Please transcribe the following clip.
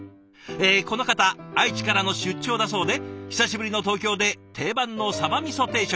この方愛知からの出張だそうで久しぶりの東京で定番のサバ味定食。